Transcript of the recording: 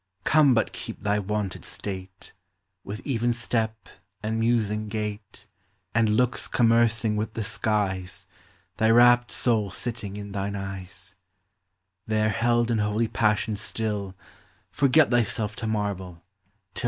Come but keep thy wonted state, With even step, and musing gait, And looks commercing with the skies, Thy rapt soul sitting in thine eyes ; There held in holy passion still, Forget thyself to marble, till LIFE.